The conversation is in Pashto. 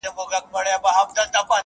نعمتونه انعامونه درکومه-